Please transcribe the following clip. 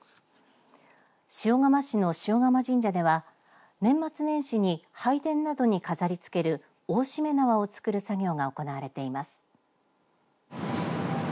塩釜市の塩釜神社では年末年始に拝殿などに飾りつける大しめ縄を作る作業が行われています。